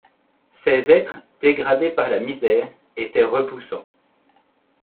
Ces êtres, dégradés par la misère, étaient repoussants.